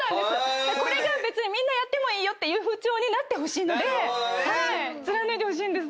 これがみんなやってもいいよという風潮になってほしいので貫いてほしいんです。